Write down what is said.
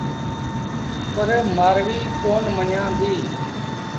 پر مآرويٚ ڪونا مڃيآݩديٚ۔